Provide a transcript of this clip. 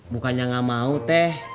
bukannya gak mau teh